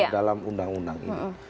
dalam undang undang ini